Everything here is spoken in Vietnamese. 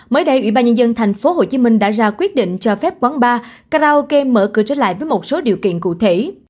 mới đây ủy ban nhân dân tp hcm đã ra quyết định cho phép quán bar karaoke mở cửa trở lại với một số điều kiện cụ thể